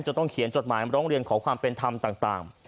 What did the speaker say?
ต้องเขียนจดหมายร้องเรียนขอความเป็นธรรมต่าง